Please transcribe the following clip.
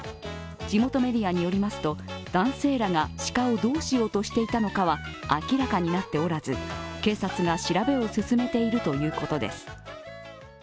地元メディアによりますと、男性らが鹿をどうしようとしていたのかは明らかになっておらず警察が調べを進めているということです。